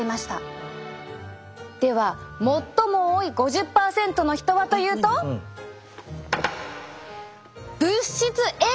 では最も多い５０％の人はというと物質Ａが不足！